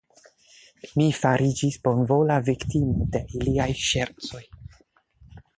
Mi fariĝis bonvola viktimo de iliaj ŝercoj.